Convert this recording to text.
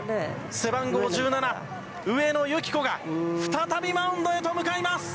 背番号１７、上野由岐子が、再びマウンドへと向かいます。